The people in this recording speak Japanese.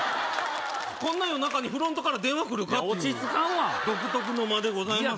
こんな夜中にフロントから電話来るかっていう落ち着かんわ独特の間でございます